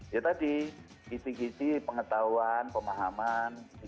ya tadi kisi kisi pengetahuan pemahaman